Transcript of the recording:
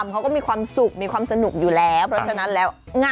ก็ไม่มีใครว่าง